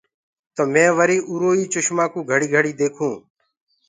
تو مينٚ وري وري اُرو آئي چسمآ ڪوُ گھڙيٚ گھڙيٚ ديکون۔